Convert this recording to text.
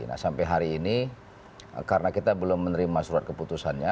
nah sampai hari ini karena kita belum menerima surat keputusannya